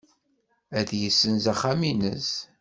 Ad yessenz axxam-nnes.